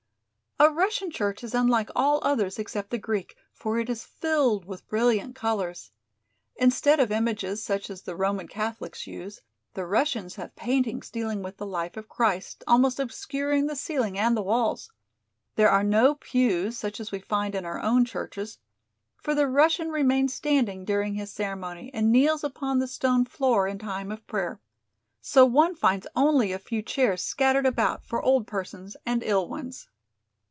A Russian church is unlike all others except the Greek, for it is filled with brilliant colors. Instead of images such as the Roman Catholics use, the Russians have paintings dealing with the life of Christ, almost obscuring the ceiling and the walls. There are no pews such as we find in our own churches, for the Russian remains standing during his ceremony and kneels upon the stone floor in time of prayer. So one finds only a few chairs scattered about for old persons and ill ones.